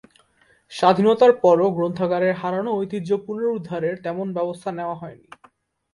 স্বাধীনতার পরও গ্রন্থাগারের হারানো ঐতিহ্য পুনরুদ্ধারের তেমন ব্যবস্থা নেয়া হয়নি।